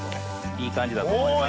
いい感じだと思います。